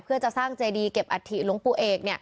เพื่อจะสร้างเจดีเก็บอาทิลงปุ่น